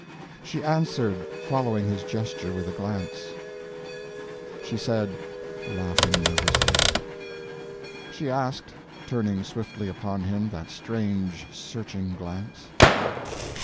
"... she answered, following his gesture with a glance." "... she said, laughing nervously." "... she asked, turning swiftly upon him that strange, searching glance."